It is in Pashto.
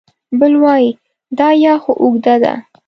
بل وای دا یا خو اوږده ده